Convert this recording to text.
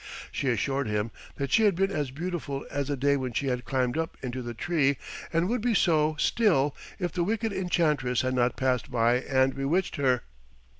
She assured him that she had been as beautiful as the day when she had climbed up into the tree and would be so still if the wicked enchantress had not passed by and bewitched her.